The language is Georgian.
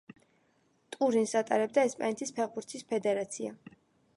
ტურნირს ატარებდა ესპანეთის ფეხბურთის ფედერაცია.